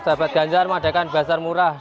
sahabat ganjar mengadakan pasar murah